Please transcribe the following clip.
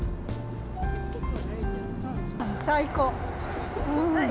最高。